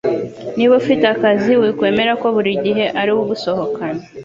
Niba ufite akazi wikwemera ko buri gihe ariwe ugusohokana